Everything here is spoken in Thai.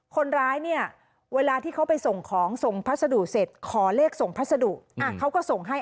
คนร้ายเนี่ยเวลาที่เขาไปส่งของส่งพัสดุเสร็จขอเลขส่งพัสดุเขาก็ส่งให้